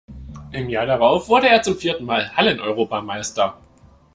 Im Jahr darauf wurde er zum vierten Mal Halleneuropameister.